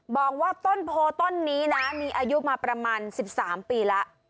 บอกว่าต้นโพต้นนี้นะมีอายุมาประมาณ๑๓ปีแล้ว